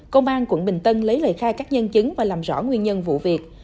công an quận bình tân lấy lời khai các nhân chứng và làm rõ nguyên nhân vụ việc